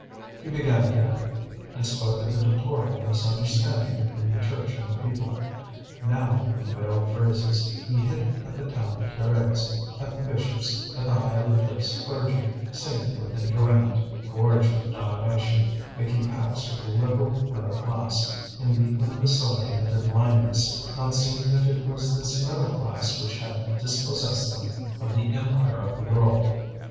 He began again, and spoke of the deplorable misunderstanding between the Church and the people. Now, in veiled phrases, he hit at the town curés, at the bishops, at the highly placed clergy, sated with enjoyment, gorged with domination, making pacts with the liberal middle class, in the imbecility of their blindness, not seeing that it was this middle class which had dispossessed them of the empire of the world.